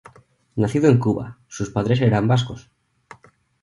Nacido en Cuba, sus padres eran vascos.